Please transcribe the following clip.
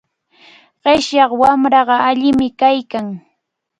Qishyaq wamraqa allinami kaykan.